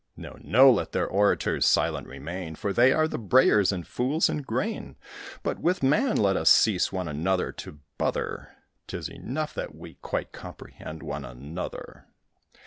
No, no, let their orators silent remain, For they are the brayers, and fools in grain; But with man let us cease one another to bother: 'Tis enough that we quite comprehend one another.